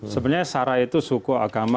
sebenarnya sara itu suku akamar